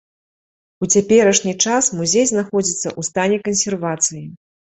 У цяперашні час музей знаходзіцца ў стане кансервацыі.